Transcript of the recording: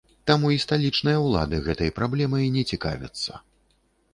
Таму і сталічныя ўлады гэтай праблемай не цікавяцца.